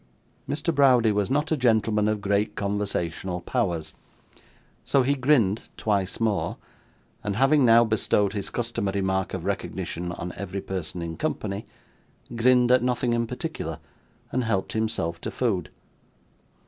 Mr. Browdie was not a gentleman of great conversational powers, so he grinned twice more, and having now bestowed his customary mark of recognition on every person in company, grinned at nothing in particular, and helped himself to food.